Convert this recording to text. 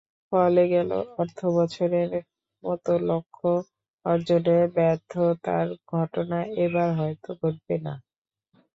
ফলে গেল অর্থবছরের মতো লক্ষ্য অর্জনে ব্যর্থতার ঘটনা এবার হয়তো ঘটবে না।